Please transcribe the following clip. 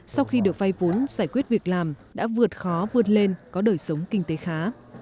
sau khi được vay vốn giải quyết việc làm đã vượt khó vươn lên có đời sống kinh tế khá